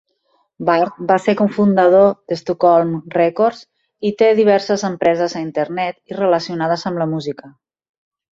Bard va ser cofundador de Stockholm Records i té diverses empreses a internet i relacionades amb la música.